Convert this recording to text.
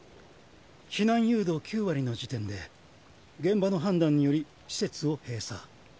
避難誘導９割の時点で現場の判断により施設を閉鎖。